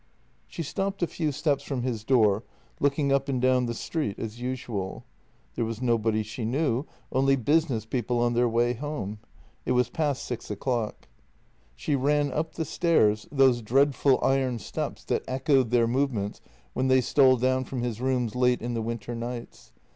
She stopped a few steps from his door, looking up and down the street, as usual. There was nobody she knew, only busi ness people on their way home. It was past six o'clock. 199 2C0 JENNY She ran up the stairs — those dreadful iron steps that echoed their movements when they stole down from his rooms late in the winter nights.